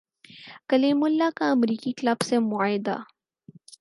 کلیم اللہ کا امریکی کلب سے معاہدہ